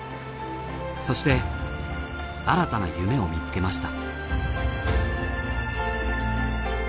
そして新たな夢を見つけました。